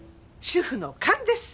主婦の勘です！